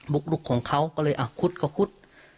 บุกรุกของเขาก็เลยอะคุดก็คุด